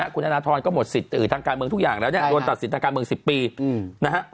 คุณธนาทรก็หมดศิษย์อื่นทางการเมืองทุกอย่างแล้วเนี่ย